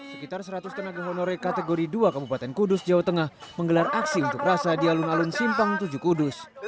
sekitar seratus tenaga honore kategori dua kabupaten kudus jawa tengah menggelar aksi unjuk rasa di alun alun simpang tujuh kudus